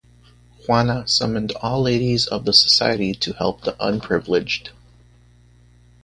Juana summoned all ladies of the society to help the unprivileged.